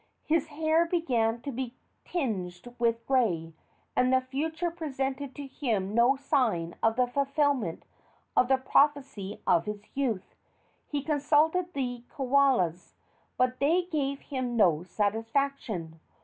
His hair began to be tinged with gray, and the future presented to him no sign of the fulfilment of the prophecy of his youth. He consulted the kaulas, but they gave him no satisfaction.